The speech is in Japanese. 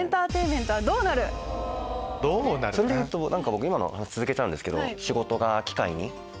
それでいうと今の話続けちゃうんですけど。